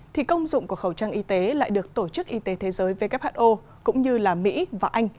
thì công dụng của khẩu trang y tế lại được tổ chức y tế thế giới who cũng như mỹ và anh